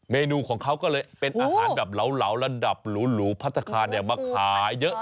เมนูของเขาก็เลยเป็นอาหารแบบเหลาระดับหรูพัฒนาคารมาขายเยอะ